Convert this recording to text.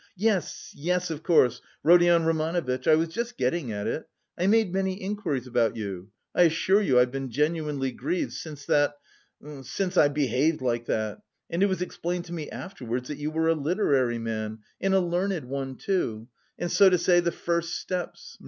"Yes, yes, of course, Rodion Romanovitch! I was just getting at it. I made many inquiries about you. I assure you I've been genuinely grieved since that... since I behaved like that... it was explained to me afterwards that you were a literary man... and a learned one too... and so to say the first steps...